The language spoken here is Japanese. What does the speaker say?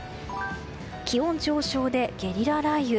気温上昇でゲリラ雷雨。